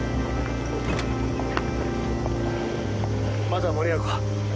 まだ間に合うか？